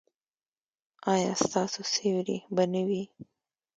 ایا ستاسو سیوری به نه وي؟